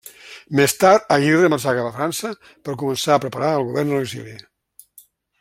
Més tard Aguirre marxà cap a França per començar a preparar el govern a l'exili.